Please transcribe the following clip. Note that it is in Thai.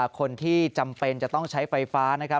คนที่จำเป็นจะต้องใช้ไฟฟ้า